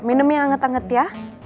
minum yang anget anget ya